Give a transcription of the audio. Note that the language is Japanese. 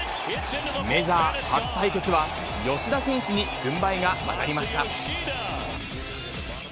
メジャー初対決は吉田選手に軍配が上がりました。